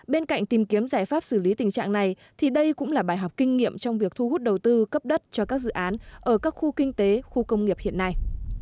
bên cạnh tìm kiếm giải pháp xử lý tình trạng này thì đây cũng là bài học kinh nghiệm trong việc thu hút đầu tư cấp đất cho các dự án ở các khu kinh tế khu công nghiệp hiện nay